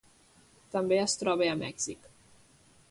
També es troba a Mèxic.